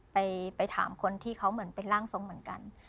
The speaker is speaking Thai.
ไปถามคนที่เขาเหมือนเป็นร่างทรงเหมือนกัน